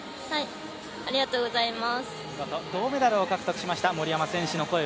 ありがとうございます。